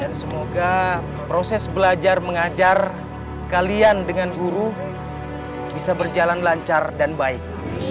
dan semoga proses belajar mengajar kalian dengan guru bisa berjalan lancar dan baik